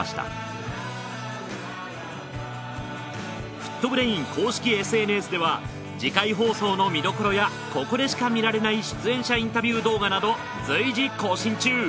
『ＦＯＯＴ×ＢＲＡＩＮ』公式ＳＮＳでは次回放送の見どころやここでしか見られない出演者インタビュー動画など随時更新中。